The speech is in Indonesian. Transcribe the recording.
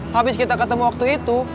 habis kita ketemu waktu itu